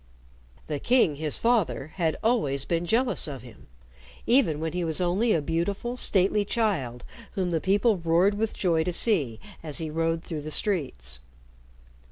The king, his father, had always been jealous of him, even when he was only a beautiful, stately child whom the people roared with joy to see as he rode through the streets.